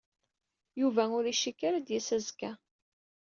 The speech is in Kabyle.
Yuba ur icikk ad d-yas azekka.